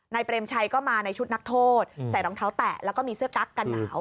เปรมชัยก็มาในชุดนักโทษใส่รองเท้าแตะแล้วก็มีเสื้อกั๊กกันหนาว